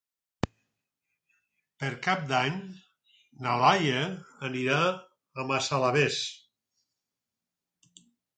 Per Cap d'Any na Laia anirà a Massalavés.